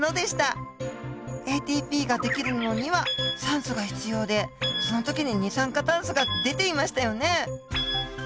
ＡＴＰが出来るのには酸素が必要でその時に二酸化炭素が出ていましたよね。